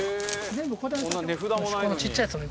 悗Аこんな値札もないのに。